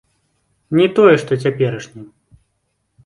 Не тое, што цяперашні.